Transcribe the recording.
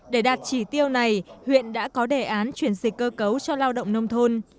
để đạt chỉ tiêu này huyện đã có đề án chuyển dịch cơ cấu cho lao động nông thôn